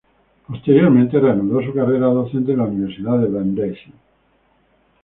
Posteriormente, reanudó su carrera docente en la Universidad de Brandeis.